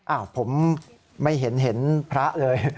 อ้าวผมไม่เห็นพระเลย